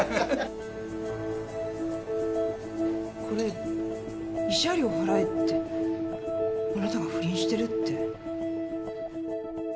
これ慰謝料払えってあなたが不倫してるって。